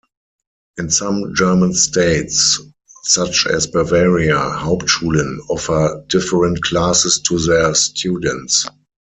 In some German states, such as Bavaria, "Hauptschulen" offer different classes to their students.